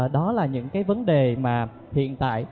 đó là những cái vấn đề mà hiện tại